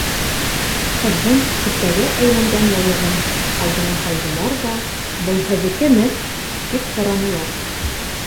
Ҡыҙҙың септәгә әйләнгән яулығын алдына һалдылар ҙа, был һеҙҙекеме, тип һоранылар.